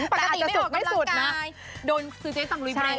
ปกติไม่ออกกำลังกายโดนซูเจ๊สั่งลุยไป